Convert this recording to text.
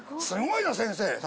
すごいな先生。